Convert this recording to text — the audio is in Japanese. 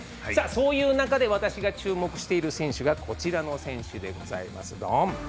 そういう中で私が注目している選手がこちらの選手でございます。